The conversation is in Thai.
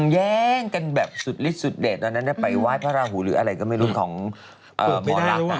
แย่งกันแบบสุดฤทธสุดเด็ดตอนนั้นไปไหว้พระราหูหรืออะไรก็ไม่รู้ของโบรักษ์